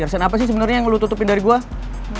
rahasia apa sih sebenernya yang lo tutupin dari gue